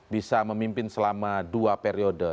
bisa memimpin selama dua periode